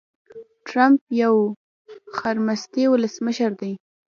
ټرمپ يو خرمستی ولسمشر دي.